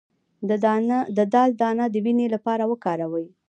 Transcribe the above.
د دال دانه د وینې لپاره وکاروئ